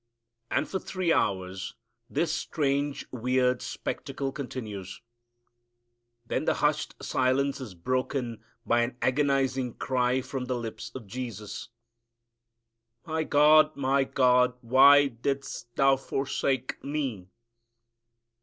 And for three hours this strange, weird spectacle continues. Then the hushed silence is broken by an agonizing cry from the lips of Jesus, "My God My God why didst Thou forsake Me?"